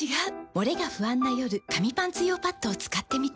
モレが不安な夜紙パンツ用パッドを使ってみた。